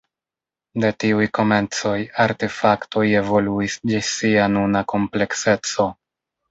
De tiuj komencoj, artefaktoj evoluis ĝis sia nuna komplekseco.